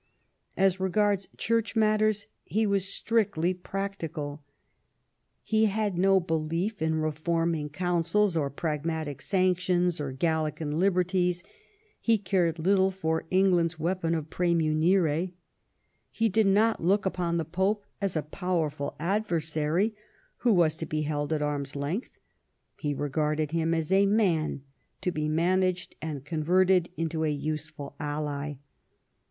As regards Church matters he was strictly practical He had no belief in reforming councils, or pragmatic sanctions, or Qallican liberties; he cared little for England's weapon of 'j^cmiunire. He did not look upon the Pope as a powerful adversary who was to be held at arm's length ; he regarded him as a man to be managed and converted into a useful ally.